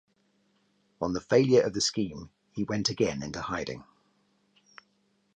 On the failure of the scheme he went again into hiding.